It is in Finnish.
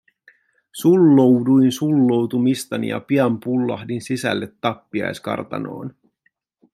Sullouduin sulloutumistani ja pian pullahdin sisälle tappiaiskartanoon.